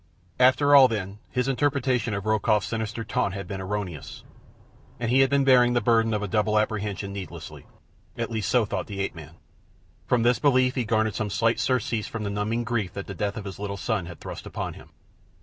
After all, then, his interpretation of Rokoff's sinister taunt had been erroneous, and he had been bearing the burden of a double apprehension needlessly—at least so thought the ape man. From this belief he garnered some slight surcease from the numbing grief that the death of his little son had thrust upon him.